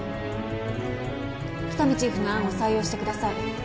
喜多見チーフの案を採用してください